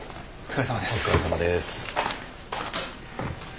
お疲れさまです。